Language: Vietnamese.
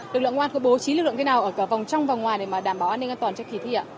lực lượng ngoan của bố trí lực lượng thế nào ở cả vòng trong và vòng ngoài để đảm bảo an ninh an toàn cho kỳ thi ạ